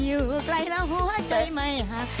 อยู่ใกล้แล้วหัวใจไม่ห่าง